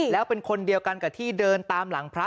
แล้วเป็นคนเดียวกันกับที่เดินตามหลังพระ